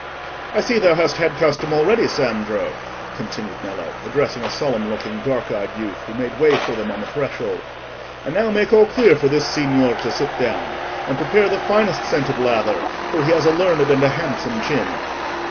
"I see thou hast had custom already, Sandro," continued Nello, addressing a solemn looking dark eyed youth, who made way for them on the threshold. "And now make all clear for this signor to sit down. And prepare the finest scented lather, for he has a learned and a handsome chin."